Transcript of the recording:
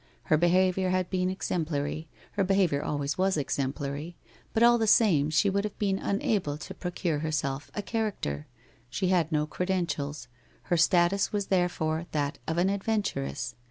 Her behaviour had been exemplary — her be haviour always was exemplary — but all the same she would have been unable to procure herself a ' character.' She had no credentials; her status was therefore that of an adventuress.